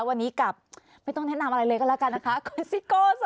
วันนี้กลับไม่ต้องแนะนำอะไรเลยก็แล้วกันนะคะคุณซิโก้ค่ะ